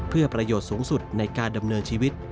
เพื่อประโยชน์สูงสุดในการดำเนินชีวิต